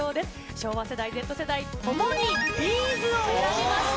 昭和世代・Ｚ世代ともに、Ｂ’ｚを選びました。